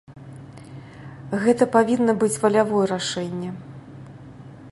Гэта павінна быць валявое рашэнне.